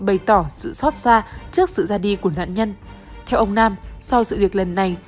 bày tỏ sự xót xa trước sự ra đi của nạn nhân theo ông nam sau sự việc lần này